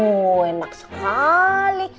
oh enak sekali